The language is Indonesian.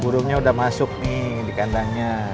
burungnya udah masuk nih di kandangnya